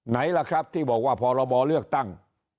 ไหนล่ะครับที่บอกว่าพรบเลือกตั้ง